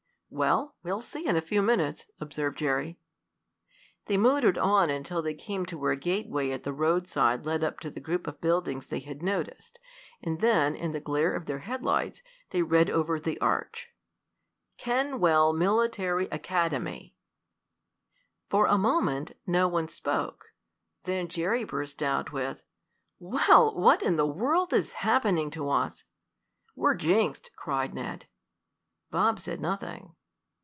"Well, we'll see in a few minutes," observed Jerry. They motored on until they came to where a gateway at the roadside led up to the group of buildings they had noticed, and then, in the glare of their headlights they read over the arch: KENWELL MILITARY ACADEMY For a moment no one spoke. Then Jerry burst out with: "Well, what in the world is happening to us?" "We're jinxed!" cried Ned. Bob said nothing.